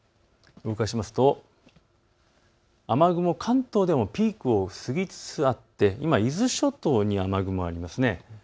動かすと雨雲、関東でもピークを過ぎつつあって今、伊豆諸島に雨雲があります。